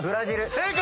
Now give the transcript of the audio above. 正解！